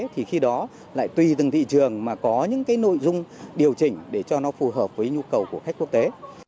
thì khi đó lại tùy từng thị trường mà có những cái nội dung điều chỉnh để cho nó phù hợp với nhu cầu của khách quốc tế